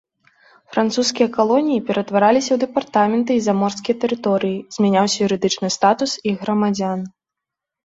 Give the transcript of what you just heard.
Французскія калоніі ператвараліся ў дэпартаменты і заморскія тэрыторыі, змяняўся юрыдычны статус іх грамадзян.